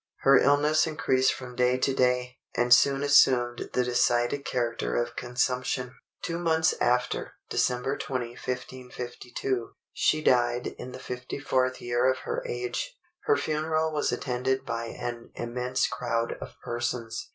Her illness increased from day to day, and soon assumed the decided character of consumption. Two months after, December 20, 1552, she died in the 54th year of her age. Her funeral was attended by an immense crowd of persons.